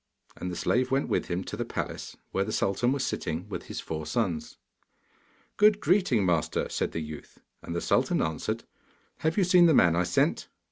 And the slave went with him to the palace, where the sultan was sitting with his four sons. 'Good greeting, master!' said the youth. And the sultan answered, 'Have you seen the man I sent?